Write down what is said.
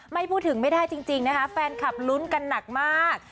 ไม่พูดถึงไม่ได้จริงนะคะแฟนคลับลุ้นกันหนักมาก